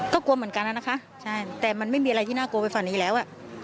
ก็กลัวเหมือนกันนะคะใช่แต่มันไม่มีอะไรที่น่ากลัวไปกว่านี้แล้ว